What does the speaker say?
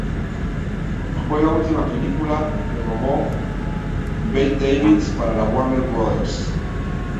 Fue la última película que rodó Bette Davis para la Warner Bros.